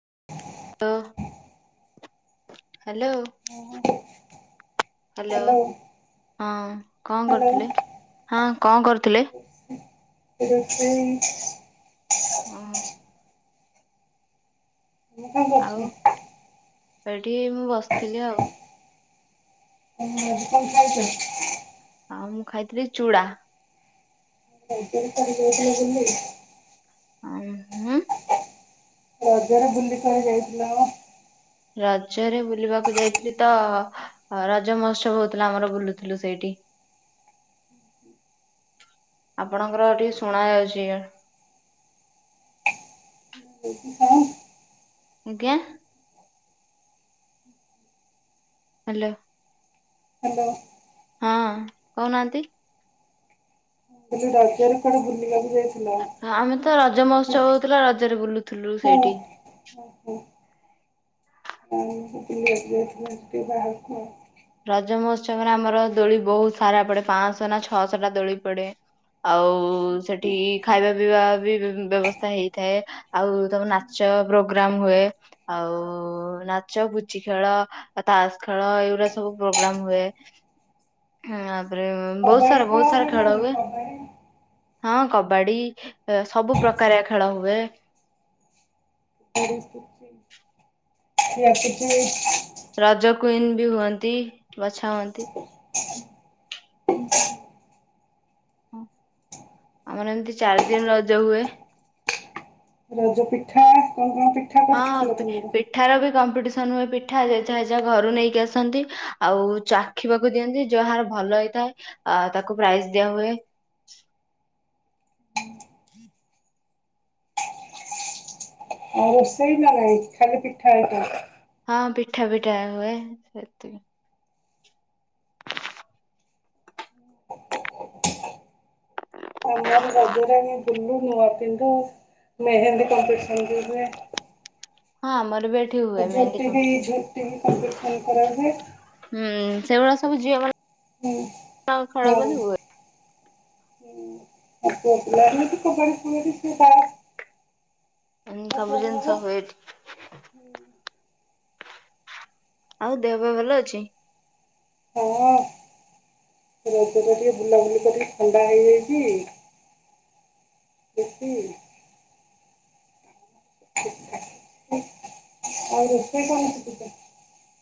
[inaudible] ତ hello, hello hello ହଁ କଣ କରୁଥିଲେ? ହ୍ୟାଲୋ ହଁ କଣ କରୁ ଥିଲେ? ରୋଶେଇ ଓହୋ ମୁଁ କଣ କରୁଛ? ଏଠି ମୁଁ ବସିଥିଲି ଆଉ। ହଁ ଆଜି କଣ ଖାଇଛ? ଆଉ ମୁଁ ଖାଇଥିଲି ଚୁଡା। ଭତ ପରିଯଜନଲେ [unintelligible] ଆଃ ହଁ ରଜରେ ବୁଲିି କୁଆଡେ ଯାଇଥିଲ? ରଜରେ ବୁଲିବାକୁ ଯାଇଥିଲି ତ ରଜ ମହୋତ୍ସବ ହଉଥିଲା ଆମର ବୁଲୁଥିଲୁ ସେଇଠି। ଆପଣଙ୍କର ଟିକେ ଶୁଣା ଯାଉଛି। ହ୍ୟାଲୋ ଆଜ୍ଞା। ହେଲୋ ହଁ କହୁନାହାନ୍ତି? ତ ଯୋଉ ରାଜରେ କଡେ ବୁଲିବାକୁ ଯାଇଥିଲ? ଆମେ ତ ରଜ ହଁ ମହୋତ୍ସବ ହଉଥିଲା ରଜରେ ବୁଲୁଥିଲୁ ସେଇଠି। ହୁଁ। କ ବ ବଥ ବଠିକ ବାହାରକୁ ରଜ ମହୋତ୍ସବରେ ଆମର ଦୋଳି ବହୁତ ସାରା ପଡେ ପାଞ୍ଚଶହ ନା ଛଅଶହ ଟା ଦୋଳି ପଡେ ଆଉ ସେଠି ଖାଇବା ପିଇବା ବି ବ୍ୟବସ୍ଥା ହେଇଥାଏ। ଆଉ ତମର ନାଚ ପ୍ରୋଗ୍ରାମ ହୁଏ ଆଉ ନାଚ କୁଚି ଖେଳ ତାସ ଖେଳ ଏଇଗୁଡା ସବୁ ପ୍ରୋଗ୍ରାମ ହୁଏ। ତାରେ ବହୁତ ସାରା କବାଡି ବହୁତ ସାରା ନା ଖେଳ ନାଇଁ ହୁଏ। କବାଡି? ହଁ କବାଡି ସବୁ ପ୍ରକାର ଖେଳ ହୁଏ। ସେ ରଜ କୁଇନ ବି ହୁଅନ୍ତି ବାଛା ହୁଅନ୍ତି। ଆମର ଏମିତି ଚାରି ଦିନ ରଜ ହୁଏ। ରଜ ପିଠା କଣ କଣ ପିଠା ହଁ କରିଥିଲ ତମର? ପିଠାର ବି କମ୍ପି ହୁଏ ପିଠା ଯ ଯାହା ଯହା ଘରୁ ନେଇକି ଆସନ୍ତି। ଆଉ ଚାଖିବାକୁ ଦିଅନ୍ତି ଯାହାର ଭଲ ହେଇଥାଏ ତାକୁ ପ୍ରାଇଜ ଦିଆ ହୁଏ। ଆଉ ରୋଷେଇ ନା ନାଇଁ ଖାଲି ପିଠା ଏଇଟା ହଁ ପିଠା ବିଠା ହୁଏ ସେତିି ଆମର ରଜରେ ଆମ ବୁଲୁ ନୂଆ ପିଣ୍ଡ ମେହେନ୍ଦୀ କମ୍ପିସ ହଁ ମରବେଟ ହୁଏ ମ ଝୋଟି ବି କମ୍ପିଟିସନ କରାହୁଏ। ସେ ସବୁ ହୁଁ ହଁ ଖରା ବନିବ ହଁ ଆପିଲ କ ପ ସେଟ ସବୁ ଜିନିଷ ହଏଠ ଆଉ ଦେହ ପାଇଁ ଭଲ ଅଛି? ହଁ ରଜ ଟା ଟିକେ ବୁଲାବୁଲି କରିକି ଥଣ୍ଡା ହେଇଯାଇଛି ଦେ ଆଉ ର କଣ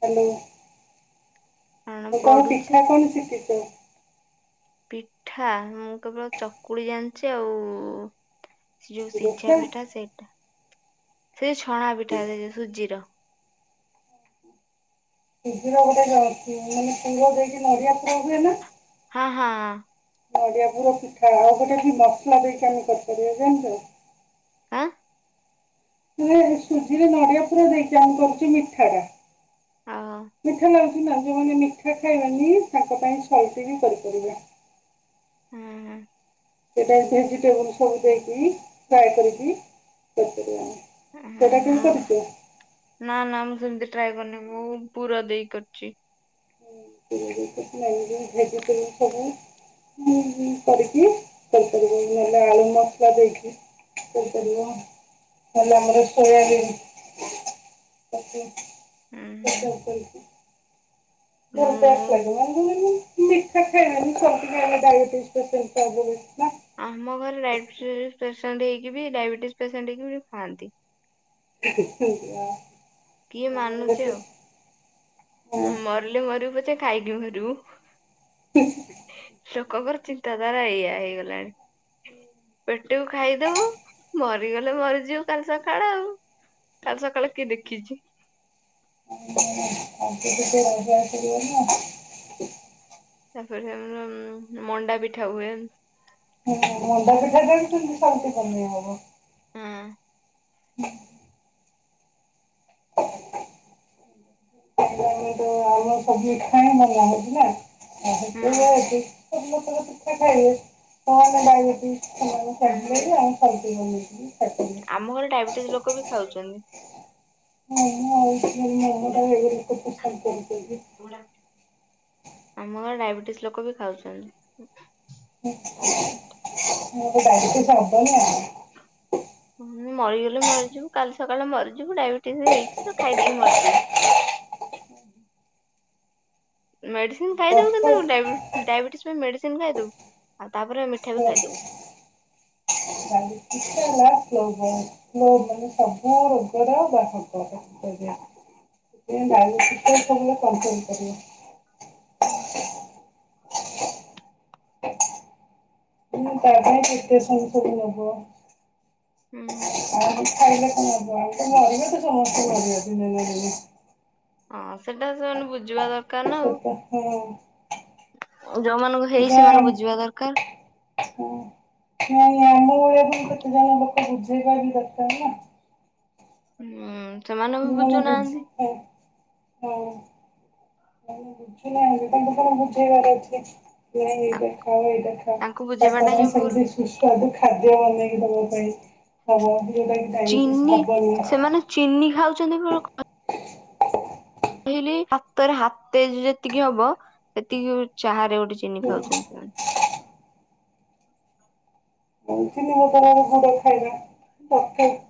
ହ୍ୟାଲୋ। କଣ ମୁଁ ତମ ପଢୁଛି ପିଠା କଣ ଶିଖିଛ ପିଠା ମୁଁ କେବଳ ଚକୁଳି ଜାଣିଛି ଆଉ ଯଉଁ ସିଝା ଦୋସା ବେଟା ସେଟ ସେ ଛଣା ପିଠା ଦେଇ ସୁଜିର ଶବର ଗୋଟେ ଯାଉ ଅଛି ମାନେ ପୁରଅ ଦେଇକି ନଡିଆ ପୂଅ ହୁଏ ନା ହଁ ହଁ। ନଡ଼ିଆ ପୁର ପିଠା ଆଉ ଗୋଟେ କି ମସଲା ଦେଇକି ଆମେ କରିପାରିବା ଯେମତି ଆଉ ହଁ ସୁଜିରେ ନଡିଆ ପୁରରେ ଦେଇକି ଆମ କରୁଛୁ ମିଠା ଟା ଆଉ ମିଠା ଲା ଥିଲା ଯୋଉମାନେ ମିଠା ଖାଇବାନି ତାଙ୍କ ପାଇଁ ସଲଟି ବି କରିପାରିବା ହୁଁ ହୁଁ। ସେଇଟା ଭେଜିଟେବୁଲ ସବୁ ଦେଇକି ଫ୍ରାଏ କରିକି କରିପାରିବା ଆମେ। ଆ ହ୍ନା ସେଇଟା କେବେ ହୁଁ କରିଛ ନା ନା ମୁଁ ସେମିତ ଟ୍ରାଏ କରନି ମୁଁ ପୁର ଦେଇ କରଛି। ହୁଁ [unintelligible] ଭେଜିଟେବୁଲ ଲାଗିକି ସବୁ କରିକିପାରିବ ନହେଲେ ଆଳୁ ମସଲା ଦେଇକି କରିପାରିବ ନହେଲେ ଆମର ସୋୟାବିନ୍ ହୁଁ ହୁଁ ଆଚ୍ଛା। ମୁଁ [unintelligible] [unintelligible] ଆମ ଘରେ ଡାଇବେଟିସ ପେସେଣ୍ଟ ଡାଇବେଟିସ ପେସେଣ୍ଟ ହେଇକି ବି ଡାଇବେଟିସ ପେସେଣ୍ଟ ହେଇକି ବି ଖାଆନ୍ତି। ହିଁ ହିଁ। କିଏ ମାନୁଚି ଆଉ? ହଁ, ମରିଲେ ମରିବୁ ପଛେ ଖାଇକି ମରିବୁ। ଲୋକଙ୍କର ଚିନ୍ତା ଧାରା ଏଇଆ ହେଇଗଲାଣି। ପେଟକୁ ଖାଇଦବୁ ମର ମରିଗଲେ ମରିଯିବୁ କାଲି ସକାଳ ଆଉ କାଲି ସକାଳେ କିଏ ଦେଖିଛି? [unintelligible] ତାପରେ ମଣ୍ଡା ପିଠା ହୁଏ। ଉ ମୁଣ୍ଡା ପିଠା କରିଛନ୍ତି। [unintelligible] ବନେଇ ହବ। ହୁଁ। [inaudible] ଆମେ ତ ଆମ ସବୁ ଖାଇଏ ଭଲ ଲାଗୁଛି ନା। ହୁଁ [unintelligible] [unintelligible] ଉଁ ଛାଡ଼ିଲେଣି ଆମେ ସବଜି ବନେଇକି ହୁଁ ଖାଇପାରିବୁ। ଆମ ଘରେ ଡାଇବେଟିସ ଲୋକ ବି ଖାଉଛନ୍ତି। ହୁଁ ହଉ। [unintelligible] [inaudible] ଆମ ଘରେ ଡାଇବେଟିସ ଲୋକ ବି ଖାଉଛନ୍ତି। ହୁଁ। ମୁଁ କହିଲି ଡାଇବେଟିସ ହବ ନା? ହୁ ମରିଗଲେ ମରିଯିବୁ କାଲି ସକାଳେ ମରିଯିବୁ ଡାଇବେଟିସ ହେଇଛି ତ ଖାଇଦେଇକି ମରିଯିବୁ। ମେଡ଼ି ସିନ ଖାଇ ଦେବୁ କିନ୍ତୁ କଷ୍ଟ ଡାଇବେଟିସ ଡାବେିଟିସ୍ ପାଇଁ ମେଡିସିନ ଖାଇ ଦୁ ତାପରେ ମିଠା ବି ଖାଇଦବୁ। ଓହ୍ [inaudible] ସବୁ ରୋଗର [inaudible] ସେଥିପାଇଁ ଡାଇବେଟିସ ଟା [inaudible] କଣ୍ଟ୍ରୋଲ କରିବ। ହୁଁ। ତା ପାଇଁ କେତେ [unintelligible] ନବ। ହୁଁ ଆଉ ଖାଇଲେ କଣ ହବ ଆ ମରିବ ତ ସମସ୍ତେ ମରିବା ଦିନେ ନା ଦିନେ। ହଁ ସେଟା ସେମାନେ ବୁଝିବା ଦରକାର ନା ଆଉ। ସେଟା ହଁ। ଯୋଉମାନଙ୍କୁ ହେଇଛି ସେଟା ସେମାନେ ବୁଝିବା ଦରକାର। ହଁ। [unintelligible] କେତେ ଜଣ ଲୋକ ବୁଝେଇବା ବି ଦରକାର ନା। ହୁଁ। ସେମାନେ ବି [inaudible] ହ ବୁଝୁନାଁ ବୁଝୁନାହାନ୍ତି। ତାଙ୍କୁ କଣ ବୁଝେଇବାର ଅଛି। ନାଇଁ ଏଇଟା ଖା ଏଇଟା ଖା ତାଙ୍କୁ [inaudible] ବୁଝେଇବାଟା ପାଇଁ ହିଁ ଭୁଲ। [inaudible] ସୁସ୍ୱାଦୁ ଖାଦ୍ୟ ବନେଇକି ଦେବା ପାଇଁ। ଓହ ଯୋଉଟା କି ଡାଇବେଟିସ୍ ଚିନି ହବନି। ସେମାନେ [unintelligible] କହିଲି ହାତରେ ହାତେ ଯେତିକି ହବ ସେତିକି ଚାହା ରେ ଗୋଟେ ଚିନି ହୁଁ ଆଉ ଖାଉଛନ୍ତି ସେମାନେ। ଚିନି ବଦଲରେ ଗୁଡ ଖାଇବେ।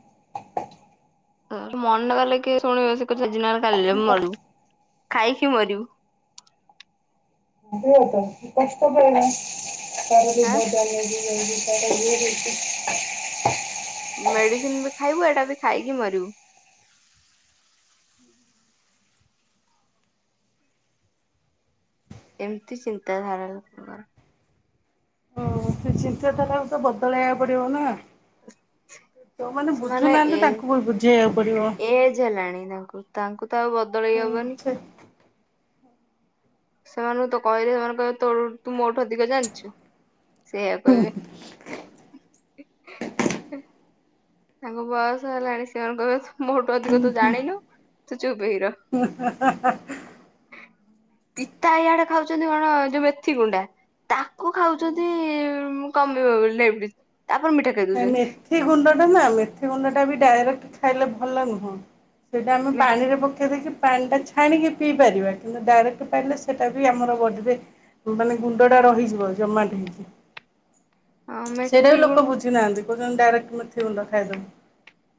ମନ କଲେ କିଏ ଶୁଣିବ ସେ କଥା ସିନା [unintelligible] ମରିବୁ ଖାଇକି ମରିବୁ। ହୁଏତ ସେ କଷ୍ଟ ପାଇଲା। ଆଁ [unintelligible] ଛି ମେଡିସିନ୍ ବ ଖାଇବୁ ଏଟା ବି ଖାଇକି ମରିବୁ। ଏମିତି ଚିନ୍ତାଧାରା ଲୋକଙ୍କର। ହଁ ସେ ଚିନ୍ତା ତାରାକୁ ତ ବଦଳେଇବାକୁ ପଡିବ ନା। ତୋମାନେ ସେମାନେ ଏ ବୁଝୁନାହାନ୍ତି ତାଙ୍କୁ ବି ବୁଝେଇବାକୁ ପଡିବ। ଏଜ ହେଲାଣି ତାଙ୍କୁ ତାଙ୍କୁ। ତ ଆଉ ବଦଳେଇ ହୁଁ ହବନି? ସେ ସେମାନଙ୍କୁ ତ କହିଲେ ସେମାନଙ୍କୁ କହିଲେ ତୋ ତୁ ମୋଠୁ ଅଧିକ ଜାଣିଛୁ। ସେୟା କହିବେ। [inaudible] ତାଙ୍କୁ ବୟସ ହେଲାଣି ସେମାନେ କହିବେ ମୋ ଅଧିକ ତୁ ଜାଣିନୁ। ତୁ ଚୁପ ହେଇ ରହ ହୁଁ ହା ହା ହା ହା। ପିତା ଇଆଡେ ଖାଉଛନ୍ତି କଣ ଯୋଉ ମେଥି କୁଣ୍ଡା ତାକୁ ଖାଉଛନ୍ତି କମିବ ବୋଲି। ତାପରେ ମିଠା ଖାଇ ଦଉଛନ୍ତି ମେଥି ଗୁଣ୍ଡ ଟା ନା ମେ ସେ ଗୁଣ୍ଡା ଟା ବି ଡାଇରେକ୍ଟ ଖାଇଲେ ଭଲ ନୁହଁ। ସେଇଟା ଆମେ ମେ ପାଣିରେ ପକେଇ ଦେଇେଇକି ପାଣିଟା ଛାଣିକି ପିଇ ପାରିବା। କିନ୍ତୁ ଡାଇରେକ୍ଟ ପାଇଲେ ସେଟା ବି ଆମର ବଡିରେ ମାନେ ଗୁଣ୍ଡଟା ରହିଯିବ ଜମାଟ ହେଇକି। ଆ ମେଥି ଗୁ ଦେଖୁଛନ୍ତି ଡାଇରକ୍ଟ ମେଥି ଗୁନଡ ଖାଇଦମୁ।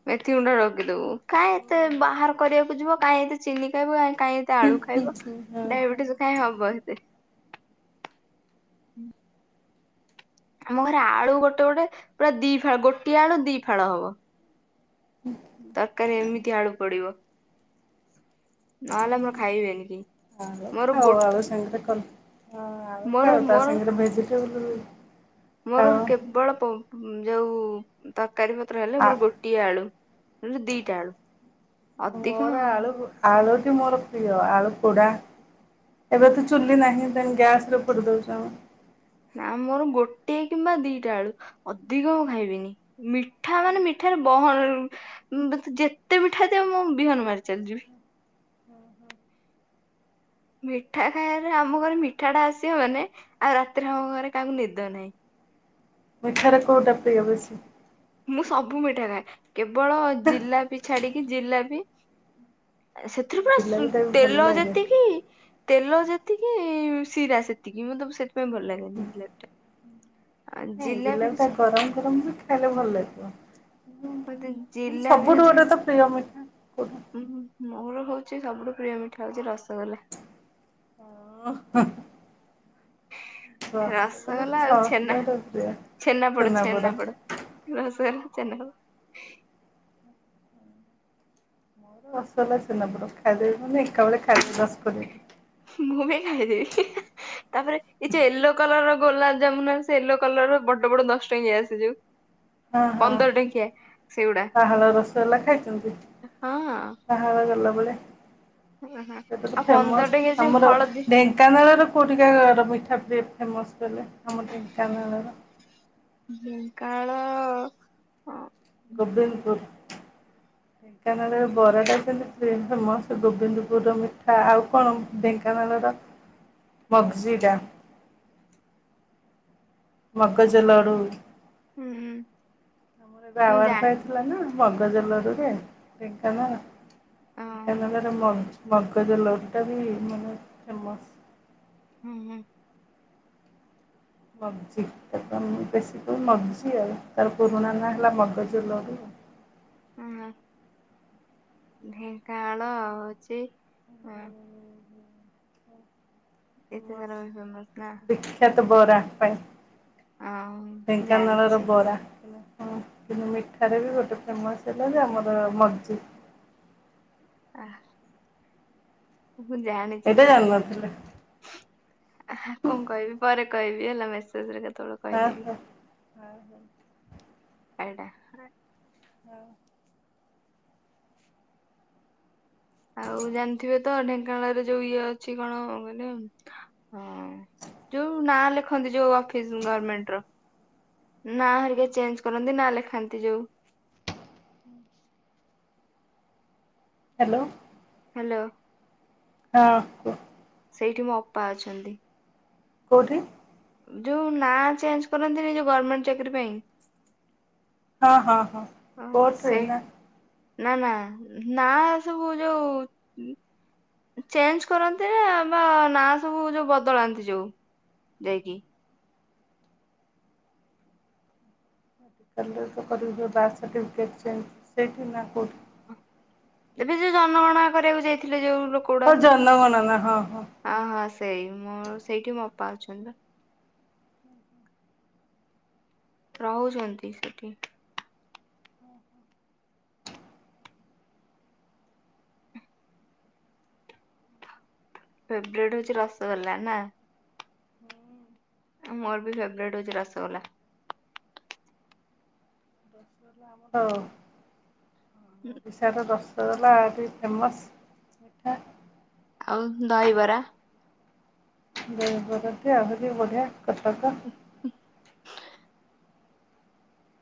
ମେଥି ଗୁଣ୍ଡା ରଖିଦବୁ। କାଇଁ ଏତେ ବାହାର କରିବାକୁ ଯିବ କାହିଁ ଏି ଚିନହିବ କାଇଁ ଏତେ ଆଳୁ ଖାଇବ ହଁ ଡାଇବେଟିସ ଖାଇଁ ହବ ଏତେ [inaudible] ହୁଁ। ଆମ ଘରେ ଆଳୁ ଗୋଟେ ଗୋଟେ ପୁରା ଦି ଫାଳ ଗୋଟିଏ ଆଳୁ ଦି ଫାଳ ହବ ତରକାରୀ ଏମିତି ଆଳୁ ପଡିବ। ନହେଲେ ଆମର ଖାଇବେନି କେହି [unintelligible] ମୋର ଗୋ ଖାଉ ମୋର ତା ମୋର ସାଙ୍ଗରେ ଭେ [unintelligible] ମୋର କେବଳ ପ ଯୋଉ ତାକୁ ତକାରୀ ପତ୍ର ହେଲେ ଆ ମୋର ଗୋଟିଏ ଆଳୁ ଦିଟା ଆଳୁ ଅଧିକ ମୋର ଆଳୁ ଆଳୁଟି ମୋର ପ୍ରିୟ ଆଳୁ ପୋଡା ଏବେ ତ ଚୁଲି ନାହିଁ ଗ୍ୟାସରେ ପୋଡି ଦଉଛୁ। ନା ମୋର ଗୋଟେ କିମ୍ବା ଦିଟା ଆଳୁ ଅଧିକ ମୁଁ ଖାଇବିନି ମିଠା ମାନେ ମିଠାରେ ବହନ ଯେତେ ମିଠା ଦେବ ମୁଁ ବିହନ ମାରି ଚାଲିଯିବି। ହଁ ହଁ ମିଠା ଖାଇବାରେ ଆମ ଘରେ ମିଠା ଟା ଆସିବ ମାନେ ଆଉ ରାତିରେ ଆମ ଘରେ କାହାକୁ ନିଦ ନାହିଁ। ମିଠାରେ କୋଉଟା ପ୍ରିୟା ବେସି। ମୁଁ ସବୁ ମିଠା ଖାଏ କେବଳ ଜିଲାପି ଛାଡିକି ଜିଲାପି [inaudible] ସେଥିରୁ ପୁରା ଜିଲାପିଟା ବି ଭଲ ତେଲ ଲାଗେ ଯେତିକି ତେଲ ଯେ ସେତିକି ଶିରା ସେତିକି ମୁଁବ ସେ ସେଇଥିପାଇଁ ଭଲ ଲାଗେନି ଜିଲାପିଟା। ନାଇଁ ଜିଲ ଟା ଗରମ ଗରମ ଖାଇଲେ। ଭଲ ଲ କ [inaudible] ମତେ ହୁଁ ସବୁଠୁ ଗୋଟେ ତ ପ୍ରିୟ ମିଠା କୋଉଟା ହୁଁ ମୋର ହଉଛି। ସବୁଠୁ ପ୍ରିୟ ମିଠର ହଉଛି ରସଗୋଲେ ଓ ରସଗୋଲା ଆଉ ଛେନା ସମସ୍ତଙ୍କର ପ୍ରିୟ ଛେନା ପୋଡ ଛେନା ଛେନାପୋଡ଼ ପୋଡ ରସଗୋଲା ଚା ୋ ରସ ଲଲା ସିନାବ ଖାଇଦେବ ମାନେ ଏକା ବଳେ ଖାଇଦବସ କରିଦେବି ମୁଁ ବି ଖାଇଦେବି ତାପରେ ଏ ଯୋଉ ୟେଲୋ କଲର ର ଗୋଲାପ ଜାମୁନ ଆ ସେ ୟେଲୋ କଲର ର ବଡ ବଡ ଦଶ ଟଙ୍କ ଯ ଆସିଯୁ ହଁ ହଁ ସେଗୁଡା ପାହାଳ ରସଗଲା ଖାଇଛନ୍ତି ହଁ ପାହାଳ ଗଲା। ବଲେ ହଁ। ସେଟ ଆଉ ପନ୍ଦର ଟଙ୍କିଆ ଫେମସ ଯୋଉ ଆମର ହଳଦୀ ଢେଙ୍କାନାଳ ର କୋଉଠିକା ମିଠା ପ ସମସ୍ତ ଆମ ଟ କାନ ହୁଁ କଣ? ଢେଙ୍କାନାଳର ବରାଟା ଯେମିତି ଫେମସ ଗୋବିନ୍ଦପୁର ର ମିଠା ଆଉ କଣ ଢେଙ୍କାନାଳର ମଗଜିଟା ମକାଜ ଲଡୁ ହୁଁ ଆମର ଏବେ ମୁଁ ଆୱଡ ତ ଜାଣିନି ଥିଲା ନା। ବଗଜଲୋରୁରେ ବେଙ୍କାନ ଟ ହଁ ନଲେ ର ମଗଜ ଲଟା ବି ମାନେ ଚାମଚ ହୁଁ ହୁଁ। ମଗ୍ଜି ତା ବେଶୀ କ ମଗ୍ଜି ଆଉ ତାର ପୁରୁଣା ନାଁ ହେଲା ମଗଜୁଲରୁ ହୁଁ ହ। ଢେଙ୍କାଳ ହଉଛି ଅ ଏତେ ସାର ଫେମସ ନା। ତ ବର ଭାଇ ହଁ ଜାଣିଛି। ହଁ କିନ୍ତୁ ମିଠାରେ ବି ଗୋଟେ ଫେମସ ହେଲା ଯେ ଆମର ମଜିି ହ ମୁଁ ଜାଣିଛି ଏଇଟା ସବୁ ଜାଣିନଥିଲେ କଣ କହିବି ପରେ କହିବି ହେଲା ମେସେଜରେ ହଁ ହ ହ ହ। ଏଇଟା ହଁ ଆଉ ଜାଣିଥିବେ ତ ଅନେକ ରେ ଯୋଉ ଇଏ ଅଛି କଣ କିଲ ଯୋଉ ନାଁ ଲେଖନ୍ତି ଯୋଉ ଅଫିସ ଗମେଣ୍ଟ ର ନାରିକ ଚେଞ୍ଜ କରନ୍ତି ନା ଲେଖା ଖାନ୍ତି ଯୋଉ ହୁଁ। ହ୍ୟାଲୋ। ହ୍ୟାଲୋ। ହଁ ସେଇଠି ମୋ ଅପା ଅଛନ୍ତି କଉଠି ଯୋଉ ନାଁ ଚେଞ୍ଜ କରନ୍ତିନି ଯୋଉ ଗଭର୍ଣମେଣ୍ଟ ଚାକିରୀ ପାଇଁ ହଁ ହଁ ହଁ ଅ, କୋର୍ଟରେ ସେ ନା ନା ନା ନା ସବୁ ଯୋଉ ଚେଞ୍ଜ କରନ୍ତି ନା ବା ନା ସବୁ ଯୋଉ ବଦଳାନ୍ତି ଯୋଉ ଯାଇକି ସେଇଠି ନା କଉଠି ଏବେ ଯୋଉ ଜନଗଣନା କରିବାକୁ ଯାଇଥିଲେ ଯୋଉ ଲୋକେ ଗୁଡ଼ା ହଉ ଜନଗଣନା ହଁ ହଁ ହଁ ସେଇ ମୋର ସେଇଠି ମ ପାଞ୍ଚ ରହୁଛନ୍ତି ସେଠି ଫେବରଟ ହଉଛି ରସଗୋଲା ନା ଆମର ମୋର ବି ଫେବରଟ ହଉଛି ରସଗୋଲା ଓ [unintelligible] [unintelligible] ଫେମସ୍ ମିଠା ଆଉ ଦହିବରା [unintelligible] ଆଉରି ବଢିଆ କଥା କଥା